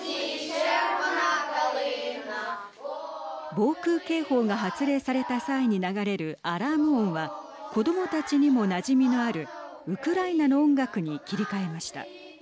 防空警報が発令された際に流れるアラーム音は子どもたちにもなじみのあるウクライナの音楽に切り替えました。